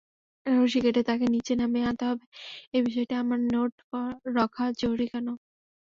রশি কেটে তাকে নিচে নামিয়ে আনতে হবে এই বিষয়টি আমার নোট রখা জরুরি -কেন?